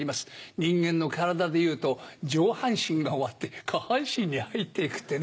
人間の体でいうと上半身が終わって下半身に入って行く」ってね。